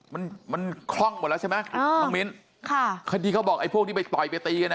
มันมันคล่องหมดแล้วใช่ไหมอ่าน้องมิ้นค่ะคดีเขาบอกไอ้พวกที่ไปต่อยไปตีกันอ่ะ